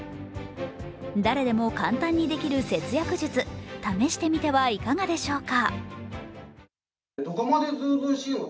誰でも簡単にできる節約術、試してみてはいかがでしょうか。